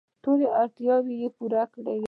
ټولې اړتیاوې یې پوره دي.